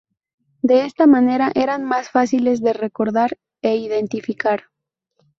De esta manera eran más fáciles de recordar e identificar.